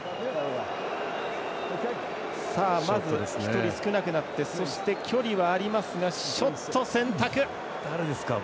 まず１人少なくなってそして、距離はありますがショット選択。